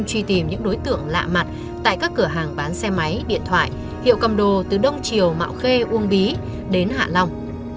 truy tìm những đối tượng lạ mặt tại các cửa hàng bán xe máy điện thoại hiệu cầm đồ từ đông triều mạo khê uông bí đến hạ long